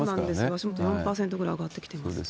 足元４％ぐらい上がってきています。